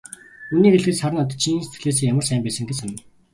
Үнэнийг хэлэхэд, Саран надад чин сэтгэлээсээ ямар сайн байсан гэж санана.